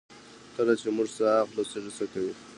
کله چې موږ ساه اخلو سږي څه کوي